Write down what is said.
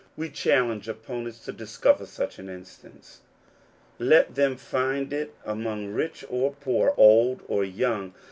We challenge opponents to discover such an instance. Let them find it among rich or poor, old or young.